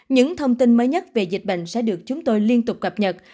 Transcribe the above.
những thông tin mới nhất về dịch bệnh sẽ được chúng tôi liên tục cập nhật